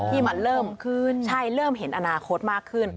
ที่มันเริ่มขึ้นใช่เริ่มเห็นอนาคตมากขึ้น